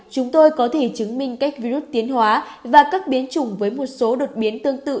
chúng tôi có thể chứng minh cách virus tiến hóa và các biến chủng với một số đột biến tương tự